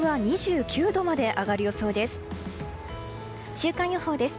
週間予報です。